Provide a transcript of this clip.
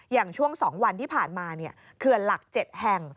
อย่างช่วง๒วันที่ผ่านมาเขื่อนหลัก๗แห่ง